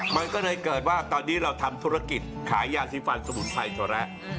มันก็เลยเกิดว่าตอนนี้เราทำธุรกิจขายยาสีฟันสมุนไพรโชระ